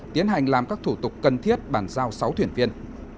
tiến hành làm các thủ tục cần thiết bàn giao sáu thuyền viên